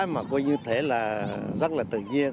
mà có như thế là rất là tự nhiên